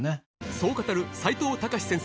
そう語る齋藤孝先生